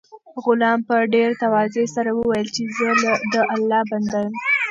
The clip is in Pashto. غلام په ډېر تواضع سره وویل چې زه د الله بنده یم.